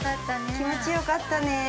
◆気持ちよかったねー。